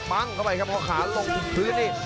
ปั้งเข้าไปครับพอขาลงถึงพื้นนี่